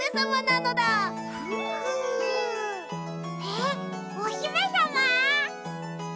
えっおひめさま？